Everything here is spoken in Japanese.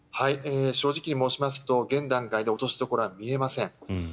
正直に申しますと現段階で落としどころは見えません。